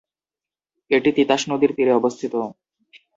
এটি তিতাস নদীর তীরে অবস্থিত।